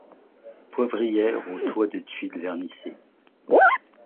Poivrières au toit de tuiles vernissées.